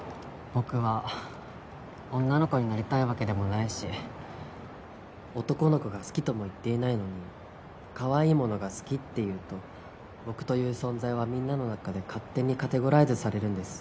僕は女の子になりたいわけでもないし男の子が好きとも言っていないのにかわいいものが好きって言うと僕という存在はみんなの中で勝手にカテゴライズされるんです。